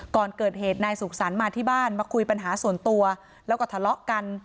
ก่อนเกิดเหตุนายสุขสรรค์มาที่บ้านมาคุยปัญหาส่วนตัวแล้วก็ทะเลาะกัน